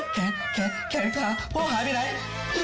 แค้นแค้นแค้นขาพ่อหายไปไหน